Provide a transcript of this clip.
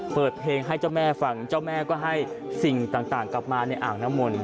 เปิดเพลงให้เจ้าแม่ฟังเจ้าแม่ก็ให้สิ่งต่างกลับมาในอ่างน้ำมนต